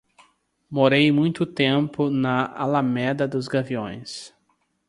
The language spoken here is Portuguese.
Morei muito tempo na Alameda dos Gaviões.